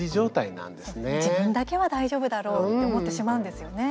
自分だけは大丈夫だろうと思ってしまうんですよね。